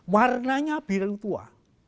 warnanya biru tua